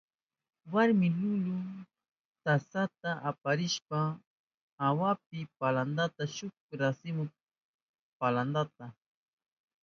Warmi lumu tasata aparishpan awanpi paltashka shuk rasimu palantata.